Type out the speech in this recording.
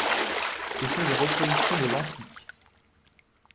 Ce sont des reproductions de l’antique.